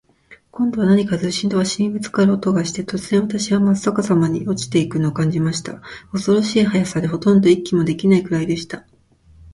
今度は何かズシンと鷲にぶっつかる音がして、突然、私はまっ逆さまに落ちて行くのを感じました。恐ろしい速さで、ほとんど息もできないくらいでした。